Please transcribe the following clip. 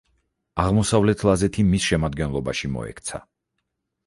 აღმოსავლეთ ლაზეთი მის შემადგენლობაში მოექცა.